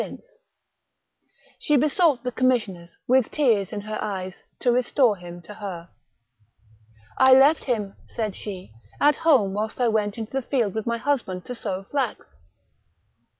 197 since ; she besought the commissioners, with tears in her eyes, to restore him to her. " I left him," said she, " at home whilst I went into the field with my husband to sow flax.